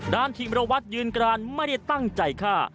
ด้านทีมระวัดยืนกรานไม่ได้ตั้งใจฆ่า